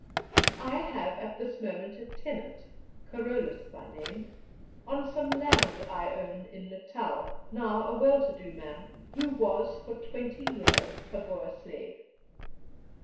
I have at this moment a tenant, Carolus by name, on some land I own in Natal, now a well to do man, who was for twenty years a Boer slave.